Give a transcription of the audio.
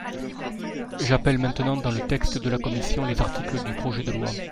J’appelle maintenant, dans le texte de la commission, les articles du projet de loi.